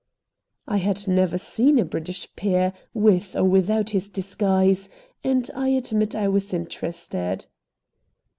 I had never seen a British peer, with or without his disguise, and I admit I was interested.